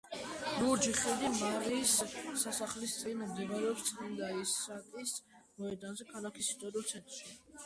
ლურჯი ხიდი მარიის სასახლის წინ მდებარეობს წმინდა ისააკის მოედანზე ქალაქის ისტორიულ ცენტრში.